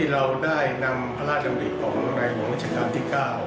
เราได้นำพระราชดำริของพระราชหัววั่นระจกรรมนำที่๙